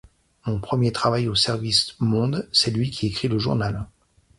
Le premier travaille au service Monde, c'est lui qui écrit le journal.